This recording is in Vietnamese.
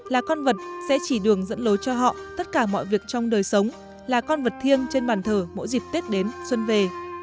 là con vật sẽ chỉ đường dẫn lối cho họ tất cả mọi việc trong đời sống là con vật thiêng trên bàn thờ mỗi dịp tết đến xuân về